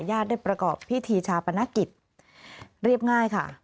ญาติได้ประกอบพิธีชาปนกิจเรียบง่ายค่ะ